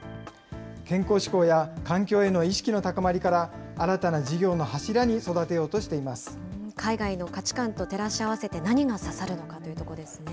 健康志向や環境への意識の高まりから新たな事業の柱に育てようと海外の価値観と照らし合わせて、何が刺さるのかというところですね。